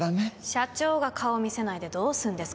社長が顔見せないでどうすんですか？